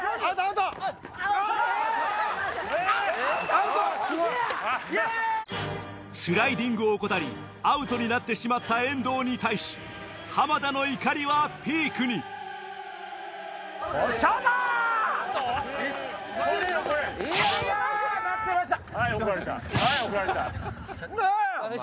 ウソや⁉スライディングを怠りアウトになってしまった遠藤に対し浜田の怒りはピークによっしゃ待ってました。